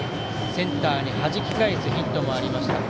センターにはじき返すヒットもありました。